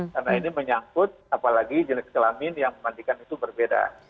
karena ini menyangkut apalagi jenis kelamin yang memandikan itu berbeda